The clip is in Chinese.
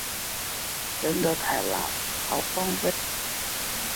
目前被菲律宾有效控制。